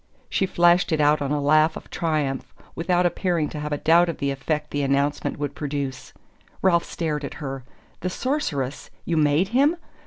She flashed it out on a laugh of triumph, without appearing to have a doubt of the effect the announcement would produce. Ralph stared at her. "The Sorceress? You MADE him?"